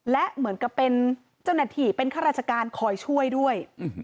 และเหมือนกับเป็นเจ้าหน้าที่เป็นข้าราชการคอยช่วยด้วย